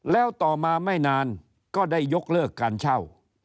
แล้วต่อมาไม่นานก็ได้ยกเลิกการเช่า